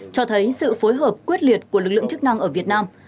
cho thấy sự phối hợp quyết liệt của lực lượng chức năng ở việt nam